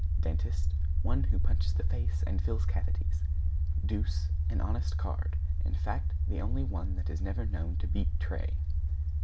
=DENTIST= One who punches the face and fills cavities. =DEUCE= An honest card, in fact the only one that is never known to beat tray.